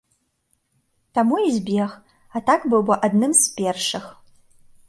Таму і збег, а так быў бы адным з першых.